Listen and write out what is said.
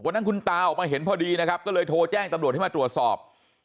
วันนั้นคุณตาออกมาเห็นพอดีนะครับก็เลยโทรแจ้งตำรวจให้มาตรวจสอบ